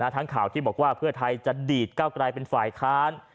ข่าวที่บอกว่าเพื่อไทยจะดีดเก้าไกลเป็นฝ่ายค้าน